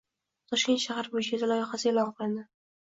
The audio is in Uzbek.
Toshkent shahar byudjeti loyihasi e'lon qilindi